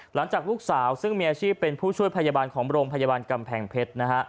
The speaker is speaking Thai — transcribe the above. หลังจากลูกสาวซึ่งมีอาชีพเป็นผู้ช่วยพยาบาลของโรงพยาบาลกำแพงเพชรนะฮะ